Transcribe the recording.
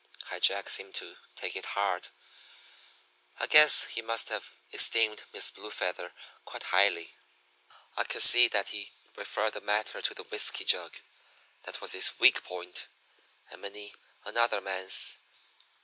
"High Jack seemed to take it hard. I guess he must have esteemed Miss Blue Feather quite highly. I could see that he'd referred the matter to the whiskey jug. That was his weak point and many another man's.